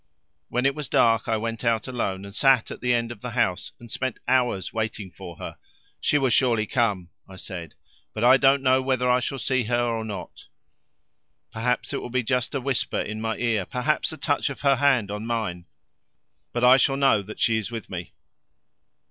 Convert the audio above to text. When it was dark I went out alone and sat at the end of the house, and spent hours waiting for her. 'She will surely come,' I said, 'but I don't know whether I shall see her or not. Perhaps it will be just a whisper in my ear, perhaps a touch of her hand on mine, but I shall know that she is with me.'